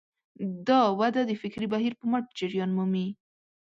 دا وده د فکري بهیر په مټ جریان مومي.